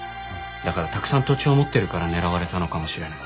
だからたくさん土地を持ってるから狙われたのかもしれない。